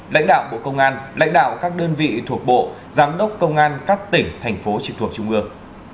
lãnh đạo bộ công an lãnh đạo các đơn vị thuộc bộ giám đốc công an các tỉnh thành phố trực thuộc trung ương